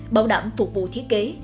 bảo đảm phục vụ thiết kế